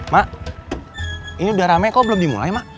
mak ini udah ramai kok belum dimulai mak